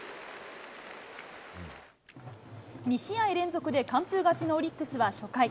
２試合連続で完封勝ちのオリックスは初回。